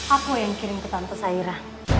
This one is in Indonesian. aku yang kirim ke tante saira